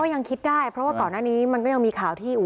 ก็ยังคิดได้เพราะตอนนั้นนี้มันก็ยังมีข่าวที่